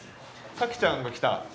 彩希ちゃんが来た。